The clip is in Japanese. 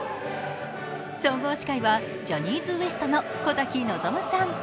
総合司会はジャニーズＷＥＳＴの小瀧望さん。